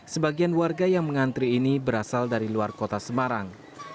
sebagian warga yang mengantri ini berasal dari luar kota semarang